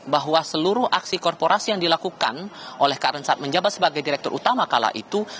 bahwa seluruh aksi korporasi yang dilakukan oleh karen saat menjabat sebagai direktur utama kala itu